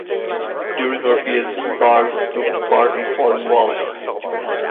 During her PhD Barz took part in Falling Walls.